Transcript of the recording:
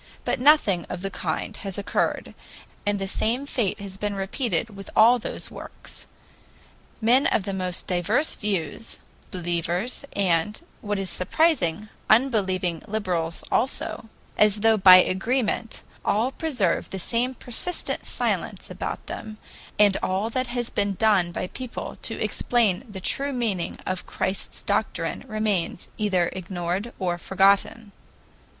But nothing of the kind has occurred, and the same fate has been repeated with all those works. Men of the most diverse views, believers, and, what is surprising, unbelieving liberals also, as though by agreement, all preserve the same persistent silence about them, and all that has been done by people to explain the true meaning of Christ's doctrine remains either ignored or forgotten.